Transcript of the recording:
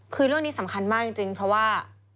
คือเรื่องนี้สำคัญมากจริงเพราะว่า